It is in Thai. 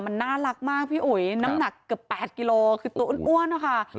มันน่ารักมากพี่อุ๋ยน้ำหนักเกือบ๘กิโลคือตัวอ้วนนะคะ